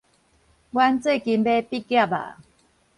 阮最近欲畢業矣